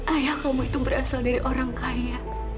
ayah kamu itu berasal dari orang kaya